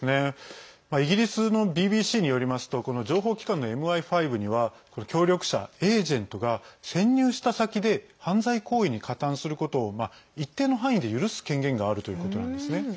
イギリスのＢＢＣによりますと情報機関のＭＩ５には協力者＝エージェントが潜入した先で犯罪行為に加担することを一定の範囲で許す権限があるということなんですね。